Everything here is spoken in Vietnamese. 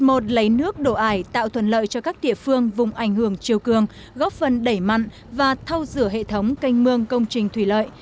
đợt một lấy nước đổ ải tạo thuận lợi cho các địa phương vùng ảnh hưởng chiều cường góp phần đẩy mặn và thâu rửa hệ thống canh mương công trình thủy lợi